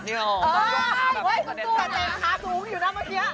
ไตรขาสูงอยู่หน้าเมืองเทีย